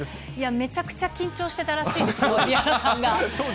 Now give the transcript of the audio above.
めちゃくちゃ緊張してたらしいですよ、蛯原さんが。